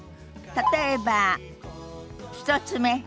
例えば１つ目。